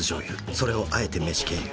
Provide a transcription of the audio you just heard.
それをあえて飯経由。